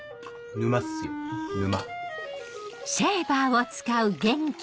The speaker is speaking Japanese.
沼っすよ沼。